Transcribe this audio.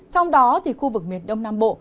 trong đó thì khu vực miền đông nam bộ